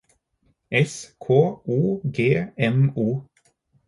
S K O G M O